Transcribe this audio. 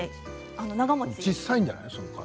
小さいんじゃないですか。